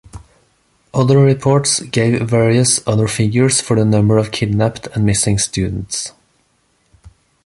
Other reports gave various other figures for the number of kidnapped and missing students.